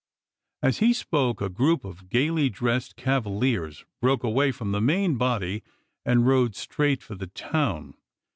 As he spoke a group of gaily dressed cavaliers broke away from the main body and rode straight for the town.